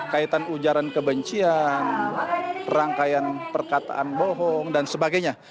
kaitan ujaran kebencian rangkaian perkataan bohong dan sebagainya